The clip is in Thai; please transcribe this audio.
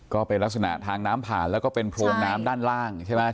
ก็เป็นลักษณะทางน้ำผ่านแล้วก็เป็นโพรงน้ำด้านล่างใช่ไหม